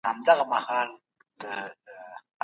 منطقي تسلسل د متن ښکلا نوره هم زیاتوي.